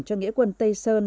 cho nghĩa quân tây sơn